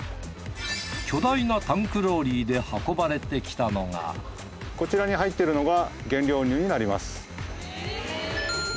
巨大なタンクローリーで運ばれてきたのがこちらに入ってるのが。